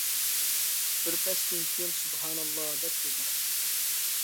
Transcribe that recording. بىر پەستىن كىيىن سۇبھاناللا، دەپ كۆزىنى ئاچتى.